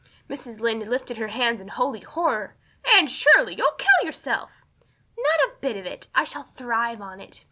Mrs. Lynde lifted her hands in holy horror. "Anne Shirley, you'll kill yourself." "Not a bit of it. I shall thrive on it.